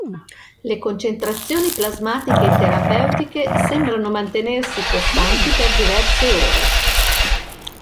Le concentrazioni plasmatiche terapeutiche sembrano mantenersi costanti per diverse ore.